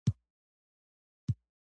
مالکان یوازې د خپلو خصوصي ګټو په فکر کې دي